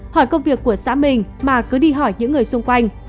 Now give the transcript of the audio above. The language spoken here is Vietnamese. hỏi công việc của xã mình mà cứ đi hỏi những người xung quanh